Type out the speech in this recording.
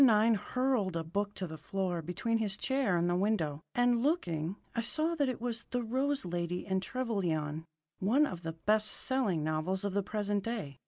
9 hurled a book to the floor between his chair and the window, and, looking, I saw that it was "The Rose Lady and Trevelyan," one of the best selling novels of the present day.